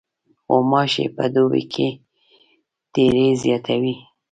غوماشې په دوبي کې ډېرې زیاتې وي.